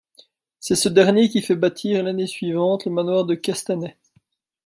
C'est ce dernier qui fait bâtir l'année suivante le manoir de Castanet.